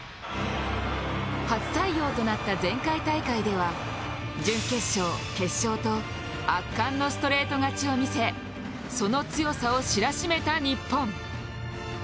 初採用となった前回大会では準決勝、決勝と圧巻のストレート勝ちを見せその強さを知らしめた日本。